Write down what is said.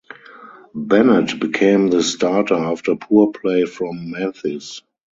Bennett became the starter after poor play from Mathis.